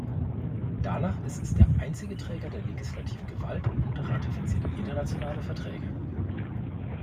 Danach ist es der einzige Träger der legislativen Gewalt und ratifiziert internationale Verträge.